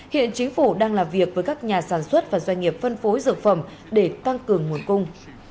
hiện chính phủ đang làm việc với các nhà sản xuất và doanh nghiệp phân phối dược phẩm để tăng cường nguồn cung